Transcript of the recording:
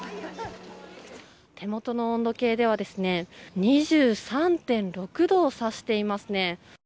手元の温度計ではですね２３．６度を指しています。